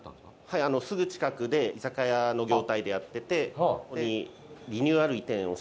はいすぐ近くで居酒屋の業態でやってて。